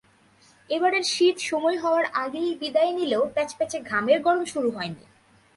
এবারের শীত সময় হওয়ার আগেই বিদায় নিলেও প্যাচপ্যাচে ঘামের গরম শুরু হয়নি।